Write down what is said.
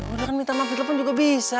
udah kan minta maaf telepon juga bisa